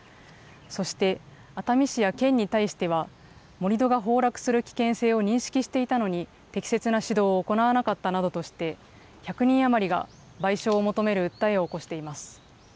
そして、熱海市や県に対しては、盛り土が崩落する危険性を認識していたのに、適切な指導を行わなかったなどとして、１００人余りが賠償を求める訴えを起こしています。